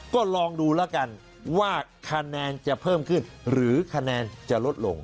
ก็ลองดูแล้วกันว่าคะแนนจะเพิ่มขึ้นหรือคะแนนจะลดลง